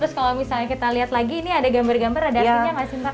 terus kalau misalnya kita lihat lagi ini ada gambar gambar ada artinya nggak sih mbak